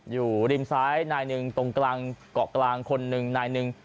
อยู่ริมซ้ายนายหนึ่งตรงกลางเกาะกลางคนหนึ่งนายหนึ่ง